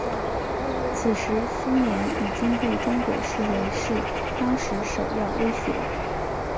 此时苏联已经被中国视为是当时首要威胁。